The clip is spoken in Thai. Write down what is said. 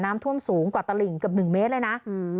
น้ำท่วมสูงกว่าตะหลิงกับหนึ่งเมตรเลยน่ะอืม